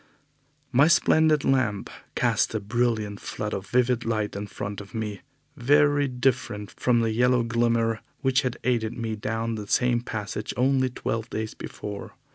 My splendid lamp cast a brilliant flood of vivid light in front of me, very different from the yellow glimmer which had aided me down the same passage only twelve days before.